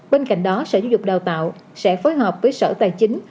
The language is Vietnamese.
bên cạnh đó sở giáo dục đào tạo sẽ phối hợp với sở tài chính